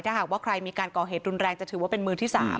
ถ้าหากว่าใครมีการก่อเหตุรุนแรงจะถือว่าเป็นมือที่๓